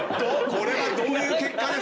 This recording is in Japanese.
これはどういう結果ですか？